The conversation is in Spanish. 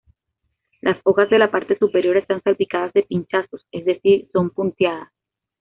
Las hojas de la parte superior están salpicadas de pinchazos, es decir, son punteadas.